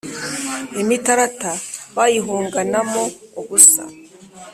Imitarati bayihunganamo ubusa: